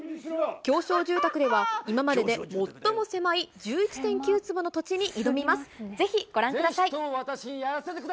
狭小住宅では、今までで最も狭い１１．９坪の土地に挑みます。